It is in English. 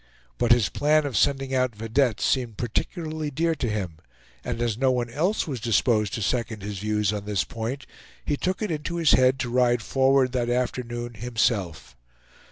But his plan of sending out vedettes seemed particularly dear to him; and as no one else was disposed to second his views on this point, he took it into his head to ride forward that afternoon, himself.